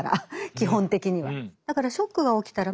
基本的には。